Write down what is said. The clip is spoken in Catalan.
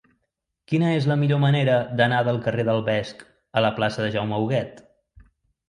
Quina és la millor manera d'anar del carrer del Vesc a la plaça de Jaume Huguet?